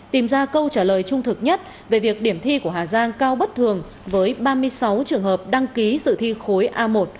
tìm ra câu trả lời trung thực nhất về việc điểm thi của hà giang cao bất thường với ba mươi sáu trường hợp đăng ký dự thi khối a một